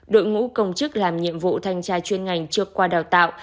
đội ngũ công chức làm nhiệm vụ thanh tra chuyên ngành trước qua đào tạo